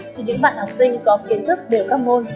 chỉ những bạn học sinh có kiến thức đều các môn